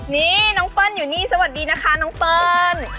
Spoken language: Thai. นี่น้องเปิ้ลอยู่นี่สวัสดีนะคะน้องเปิ้ล